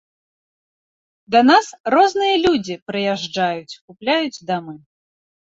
Да нас розныя людзі прыязджаюць, купляюць дамы.